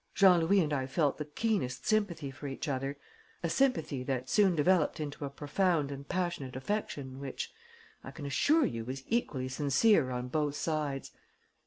Jean Louis and I felt the keenest sympathy for each other, a sympathy that soon developed into a profound and passionate affection which, I can assure you, was equally sincere on both sides.